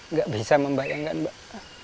nggak bisa membayangkan pak